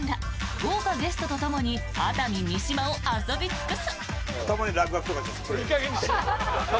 豪華ゲストとともに熱海三島を遊び尽くす！